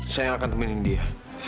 saya akan temenin dia